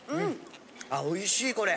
あおいしいこれ。